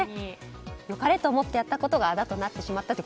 良かれと思ってやったことがあだとなってしまったと。